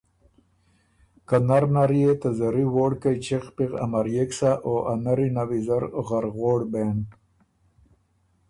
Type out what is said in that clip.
که نر نر يې ته زری ووړکئ چِغ پِغ امريېک سَۀ او ا نري نه ویزر غرغوړ بېن۔